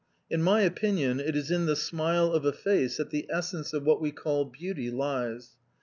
In my opinion, it is in the smile of a face that the essence of what we call beauty lies.